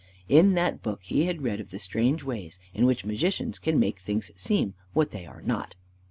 In that book he had read of the strange ways in which Magicians can make things seem what they are not.